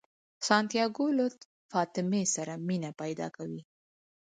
سانتیاګو له فاطمې سره مینه پیدا کوي.